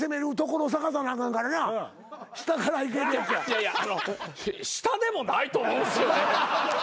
いやいや下でもないと思うんですよね。